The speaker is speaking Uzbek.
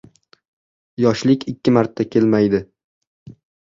• Yoshlik ikki marta kelmaydi.